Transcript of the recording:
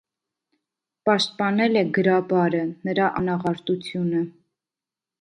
Պաշտպանել է գրաբարը, նրա անաղարտությունը։